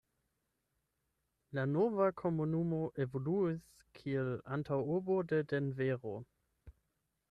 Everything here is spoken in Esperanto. La nova komunumo evoluis kiel antaŭurbo de Denvero.